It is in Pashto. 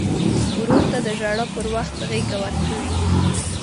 ورور ته د ژړا پر وخت غېږ ورکوي.